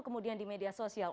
kemudian di media sosial